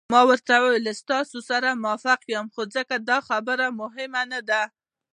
ما ورته وویل: ستاسي سره موافق یم، ځکه دا خبرې مهمې نه دي.